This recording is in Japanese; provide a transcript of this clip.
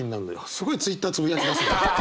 すごいＴｗｉｔｔｅｒつぶやきだす。